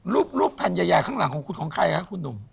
รูปแผนใหญ่ข้างกลางของใครครับคุณนุ่ม